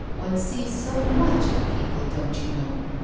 One sees ao much of people, don't you know.